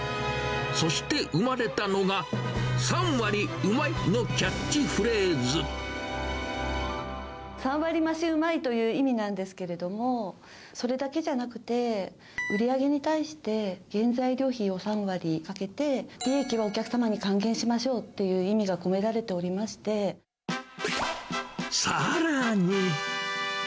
そして、生まれたのが、３割うま３割増しうまいという意味なんですけれども、それだけじゃなくて、売り上げに対して、原材料費を３割かけて、利益はお客様に還元しましょうっていう意味が込められておりましさらに！